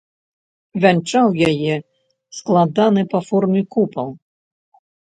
Вянчаў яе складаны па форме купал.